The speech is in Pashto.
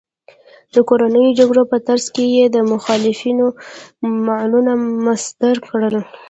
د کورنیو جګړو په ترڅ کې یې د مخالفینو مالونه مصادره کړل